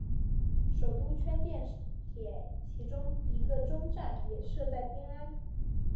首都圈电铁其中一个终站也设在天安。